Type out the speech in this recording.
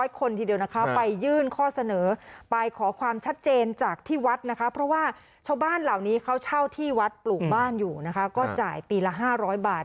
เขาเช่าที่วัดปลูกบ้านอยู่นะคะก็จ่ายปีละห้าร้อยบาท